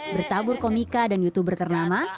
bertabur komika dan youtuber ternama